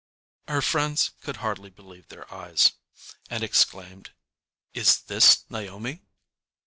_ Her friends could hardly believe their eyes, and exclaimed, "Is this Naomi?"